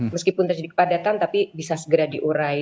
meskipun terjadi kepadatan tapi bisa segera diurai